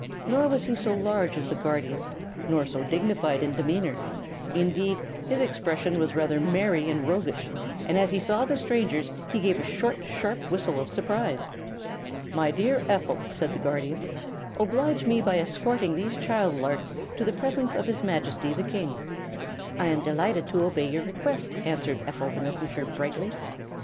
Nor was he so large as the Guardian, nor so dignified in demeanor. Indeed, his expression was rather merry and roguish, and as he saw the strangers he gave a short, sharp whistle of surprise. "My dear Ephel," said the Guardian, "oblige me by escorting these child larks to the presence of his Majesty the King." "I am delighted to obey your request," answered Ephel the Messenger, brightly.